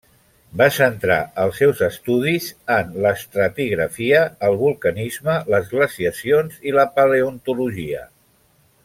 Va centrar els seus estudis en l'estratigrafia, el vulcanisme, les glaciacions i la paleontologia.